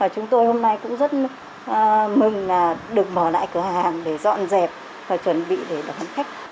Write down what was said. chúng tôi hôm nay cũng rất mừng là được mở lại cửa hàng để dọn dẹp và chuẩn bị để đón khách